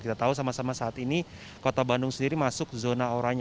kita tahu sama sama saat ini kota bandung sendiri masuk zona oranye